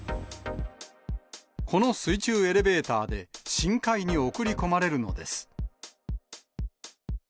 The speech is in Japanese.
この水中エレベーターで、深海に送り込まれるのです。